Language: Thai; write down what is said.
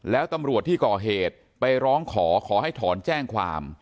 แล้วตำรวจที่ก่อเหตุไปร้องขอขอให้ถอนแจ้งความ